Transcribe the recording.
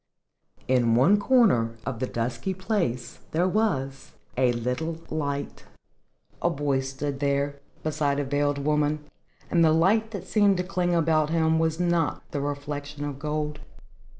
In one corner of the dusky place there was a little light. A boy stood there, beside a veiled woman, and the light that seemed to cling about him was not the reflection of gold.